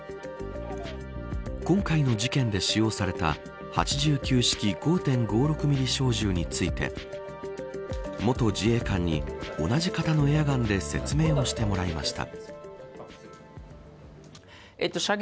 今回の事件で使用された８９式５．５６ミリ小銃について元自衛官に、同じ型のエアガンで説明をしてもらいました。